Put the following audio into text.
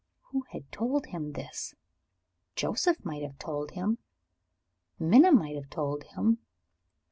(Who had told him this? Joseph might have told him; Minna might have told him.